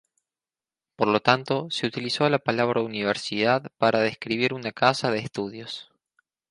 Por lo tanto, se utilizó la palabra "universidad" para describir una casa de estudios.